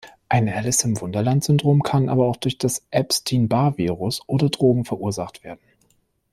Ein Alice-im-Wunderland-Syndrom kann aber auch durch das Epstein-Barr-Virus oder Drogen verursacht werden.